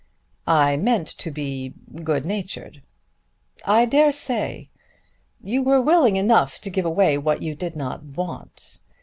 "I meant to be goodnatured." "I daresay. You were willing enough to give away what you did not want.